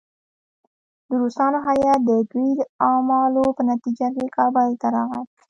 د روسانو هیات د دوی د اعمالو په نتیجه کې کابل ته راغی.